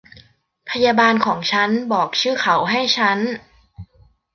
พยาบาลของฉันบอกชื่อเขาให้ฉัน